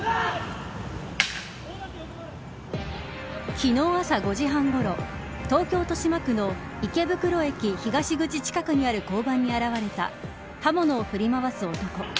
昨日、朝５時半ごろ東京・豊島区の池袋駅東口近くにある交番に現れた刃物を振り回す男。